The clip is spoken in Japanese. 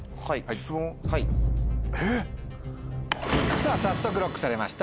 さぁ早速ＬＯＣＫされました